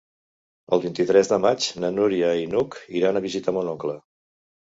El vint-i-tres de maig na Núria i n'Hug iran a visitar mon oncle.